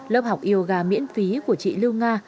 lớp học yoga miễn phí của chị lưu nga